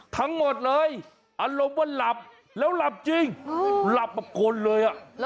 ทั้งหมดเลยอารมณ์ว่าหลับแล้วหลับจริงหลับแบบกลเลย